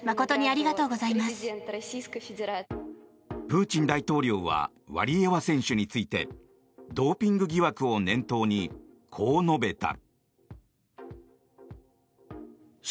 プーチン大統領はワリエワ選手についてドーピング疑惑を念頭にこう述べた。